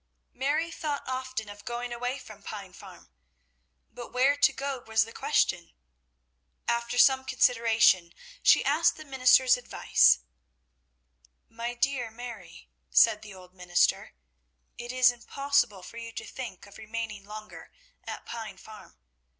Mary thought often of going away from Pine Farm, but where to go was the question. After some consideration she asked the minister's advice. "My dear Mary," said the old minister, "it is impossible for you to think of remaining longer at Pine Farm.